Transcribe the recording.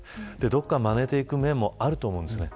どこかで真似ていく面もあると思うんですよね。